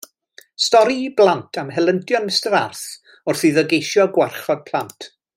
Stori i blant am helyntion Mr Arth wrth iddo geisio gwarchod plant.